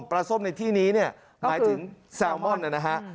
ปลาส้มในที่นี้หมายถึงแซลมอนนะฮะ